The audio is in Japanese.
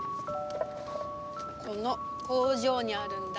この工場にあるんだ。